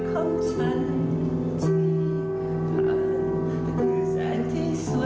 ก็คือเพลงที่พร้อมที่สุด